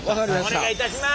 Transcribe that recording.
お願いいたします。